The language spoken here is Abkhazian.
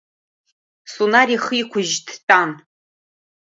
Сунар ихы иқәыжь дтәан.